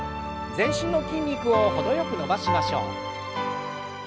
全身の筋肉を程よく伸ばしましょう。